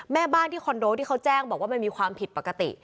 แม่บ้านที่คอนโดที่เขาแจ้งบอกว่ามันมีความผิดปกติ